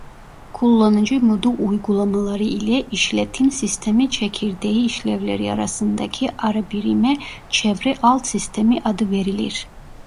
Kullanıcı modu uygulamaları ile işletim sistemi çekirdeği işlevleri arasındaki arabirime "çevre alt sistemi" adı verilir.